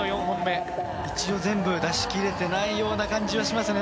一応、全部出し切れてないような感じはしますね。